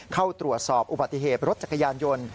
เข้าตรวจสอบอุบัติเหตุรถจักรยานยนต์